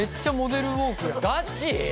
ガチ？